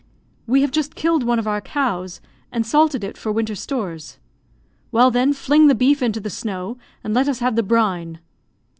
"We have just killed one of our cows, and salted it for winter stores." "Well, then, fling the beef into the snow, and let us have the brine."